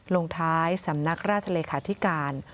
ลงท้ายสำนักราชเลขาธิการ